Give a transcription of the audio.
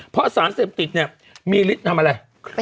เพราะสารเสพติดเนี่ยมีฤทธิ์ทำอะไร